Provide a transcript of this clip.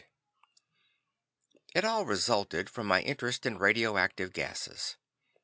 ] It all resulted from my interest in radioactive gases.